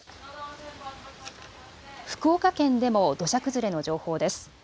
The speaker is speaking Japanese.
福岡県でも土砂崩れの情報です。